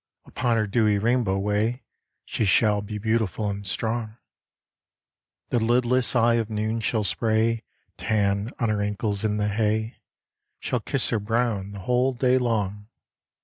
Upon her dewy rainbow way She shall be beautiful and strong. The lidless eye of noon shall spray Tan on her ankles in the hay, Shall kiss her brown the whole day long.